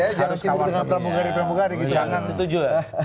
jangan simpul dengan pramugari pramugari gitu